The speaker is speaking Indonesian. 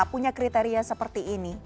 punya kriteria seperti ini